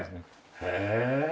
へえ！